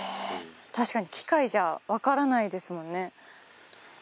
確かに機械じゃ分からないですもんねえ